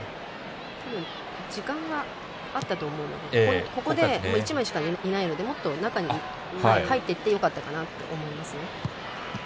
時間があったと思うので１枚しかいないのでもっと中に入っていってよかったかなと思います。